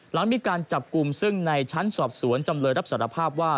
หลังมีการจับกลุ่มซึ่งในชั้นสอบสวนจำเลยรับสารภาพว่า